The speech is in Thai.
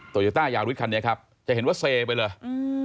โยต้ายาริสคันนี้ครับจะเห็นว่าเซไปเลย